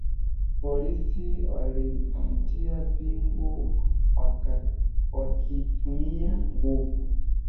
Polisi walimtia pingu wakitumia nguvu